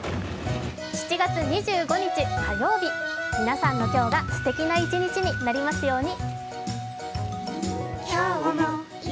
７月２５日火曜日、皆さんの今日がすてきな一日になりますように。